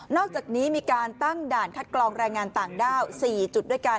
อกจากนี้มีการตั้งด่านคัดกรองแรงงานต่างด้าว๔จุดด้วยกัน